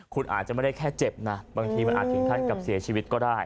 คุณอาจจะไม่ได้แค่เจ็บนะบางทีมันอาจถึงขั้นกับเสียชีวิตก็ได้